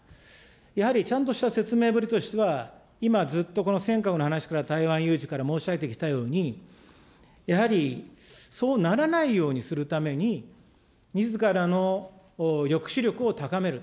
やはりちゃんとした説明ぶりとしては、今、ずっとこの尖閣の話から、台湾有事から申し上げてきたように、やはり、そうならないようにするために、みずからの抑止力を高めると。